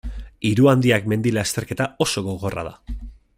Hiru handiak mendi-lasterketa oso gogorra da.